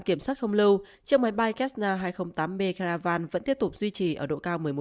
kiểm soát không lâu chiếc máy bay kesna hai trăm linh tám b caravan vẫn tiếp tục duy trì ở độ cao một mươi một